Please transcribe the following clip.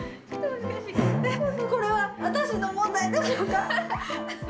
これは私の問題でしょうか？